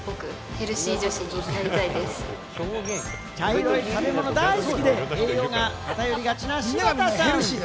茶色い食べ物だいすきで、栄養が偏りがちな柴田さん。